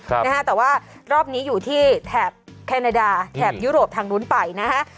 ครับนะฮะแต่ว่ารอบนี้อยู่ที่แถบแคนาดาแถบยุโรปทางนู้นไปนะฮะ